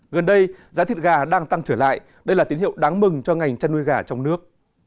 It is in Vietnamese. gần đây giá thịt gà đang tăng trở lại đây là tín hiệu đáng mừng cho ngành chăn nuôi gà trong nước